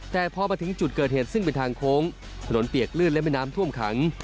แต่พอมาถึงจุดเกิดเหตุซึ่งเป็นทางโค้งถนนเปียกลื่นและแม่น้ำท่วมขัง